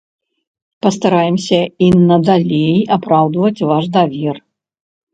Пастараемся і надалей апраўдваць ваш давер.